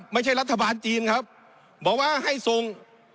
ไม่ใช่รัฐบาลจีนครับบอกว่าให้ส่ง